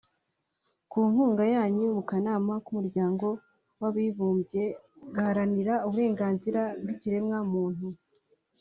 Ku nkunga yanyu mu kanama k’Umuryango w’Abibumbye gaharanira uburenganzira bw’ikiremwamuntu